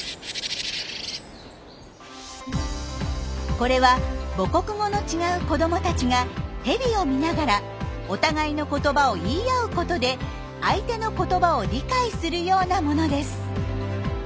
これは母国語の違う子どもたちがヘビを見ながらお互いの言葉を言い合うことで相手の言葉を理解するようなものです。